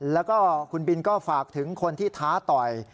แล้วก็คุณบินก็ฝากถึงคนที่ท้าต่อย